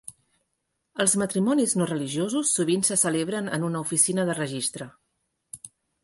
Els matrimonis no religiosos sovint se celebren en una oficina de registre.